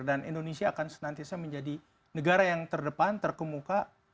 dan indonesia akan senantiasa menjadi negara yang terdepan terkemuka